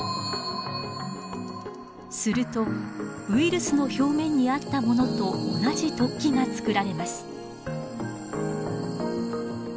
するとウイルスの表面にあったものと同じ突起が作られます。